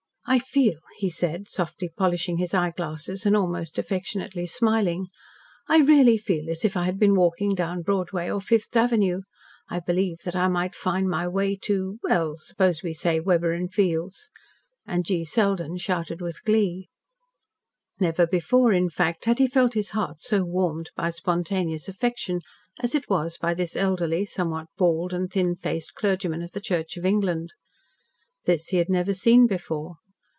"I feel," he said, softly polishing his eyeglasses and almost affectionately smiling, "I really feel as if I had been walking down Broadway or Fifth Avenue. I believe that I might find my way to well, suppose we say Weber & Field's," and G. Selden shouted with glee. Never before, in fact, had he felt his heart so warmed by spontaneous affection as it was by this elderly, somewhat bald and thin faced clergyman of the Church of England. This he had never seen before.